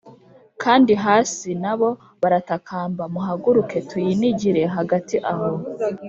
kandi hasi nabo baratakamba, muhaguruke tuyinigire hagati aho